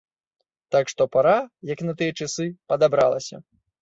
Так што пара, як на тыя часы, падабралася.